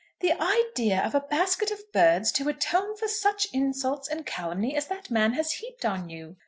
"The idea of a basket of birds to atone for such insults and calumny as that man has heaped on you!"